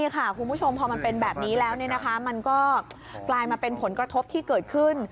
คุณผู้ชมพอมันเป็นแบบนี้แล้วมันก็กลายมาเป็นผลกระทบที่เกิดขึ้น